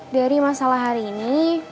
dari masalah hari ini